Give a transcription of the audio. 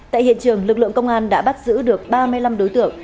tại hiện trường lực lượng công an đã bắt giữ được ba mươi năm đối tượng